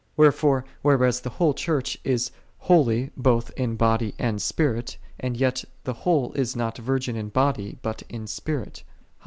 Wherefore, whereas the whole Church is holy both in body and spirit, and yet the whole is not virgin in body but in spirit; how much i Rom.